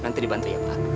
nanti di bantai ya pak